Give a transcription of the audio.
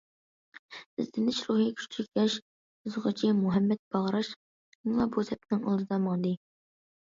ئىزدىنىش روھى كۈچلۈك ياش يازغۇچى مۇھەممەت باغراش يەنىلا بۇ سەپنىڭ ئالدىدا ماڭدى.